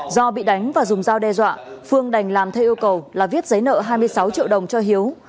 do bị đánh và dùng dao đe dọa phương đành làm theo yêu cầu là viết giấy nợ hai mươi sáu triệu đồng cho hiếu